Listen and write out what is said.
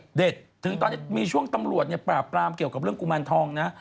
ยังเด็ดถึงตอนนี้มีช่วงตำรวจเปล่าเกี่ยวกับเรื่องกุมานทองนะ